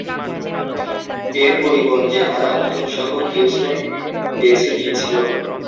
এর পরিবর্তে, তারা নতুন শহর হিউস্টন বেছে নিয়েছিল।